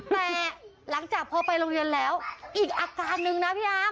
แต่หลังจากพอไปโรงเรียนแล้วอีกอาการนึงนะพี่อาร์